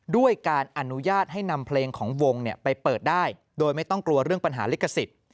ด้วยการอนุญาตให้นำเพลงของวงไปเปิดได้โดยไม่ต้องกลัวเรื่องปัญหาลิขสิทธิ์